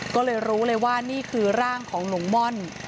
ก็เลยรู้เลยว่านี่คือร่างของหนูม่อน